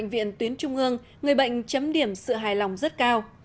người bệnh tuyến trung ương người bệnh chấm điểm sự hài lòng rất cao